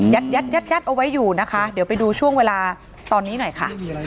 ยัดยัดเอาไว้อยู่นะคะเดี๋ยวไปดูช่วงเวลาตอนนี้หน่อยค่ะ